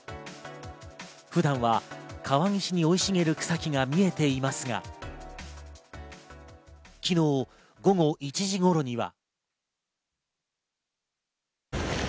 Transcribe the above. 普段は河岸に生い茂る草木が見えていますが、昨日、午後１時頃には。